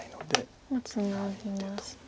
ツナぎまして。